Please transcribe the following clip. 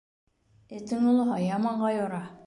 Этең олоһа, яманға юра.